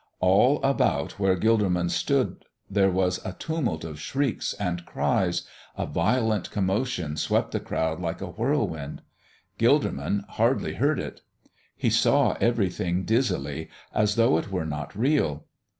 All about where Gilderman stood there was a tumult of shrieks and cries a violent commotion swept the crowd like a whirlwind. Gilderman hardly heard it. He saw everything dizzily, as though it were not real.